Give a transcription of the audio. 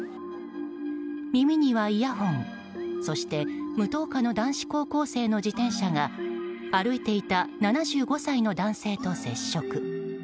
耳にはイヤホン、そして無灯火の男子高校生の自転車が歩いていた７５歳の男性と接触。